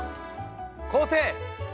昴生！